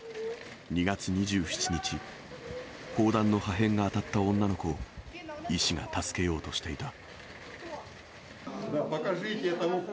２月２７日、砲弾の破片が当たった女の子を、医師が助けようとしていた。